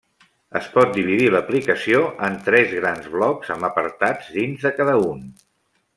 Es pot dividir l'aplicació en tres grans blocs amb apartats dins de cada un.